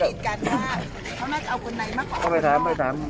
และเขามีปัญหาอะไรรึปะ